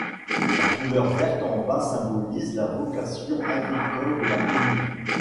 La couleur verte en bas symbolise la vocation agricole de la commune.